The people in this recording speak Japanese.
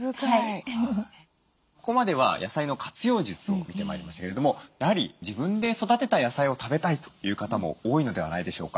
ここまでは野菜の活用術を見てまいりましたけれどもやはり自分で育てた野菜を食べたいという方も多いのではないでしょうか。